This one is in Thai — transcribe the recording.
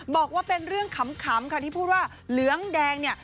บอกว่าเป็นเรื่องขำค่ะที่พูดว่าเหลืองแดงเนี่ย